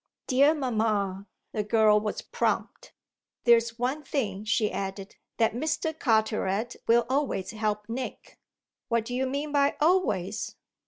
"Dear mamma!" the girl was prompt. "There's one thing," she added: "that Mr. Carteret will always help Nick." "What do you mean by 'always'?"